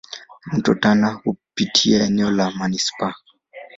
Mto Tana hupitia eneo la manispaa.